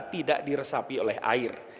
tidak diresapi oleh air